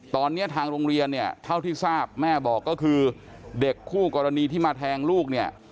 ตอนนี้ทางโรงเรียนเนี่ยเท่าที่ทราบแม่บอกก็คือเด็กคู่กรณีที่มาแทงลูกเนี่ย